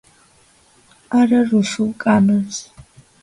არა რუსულ კანონს.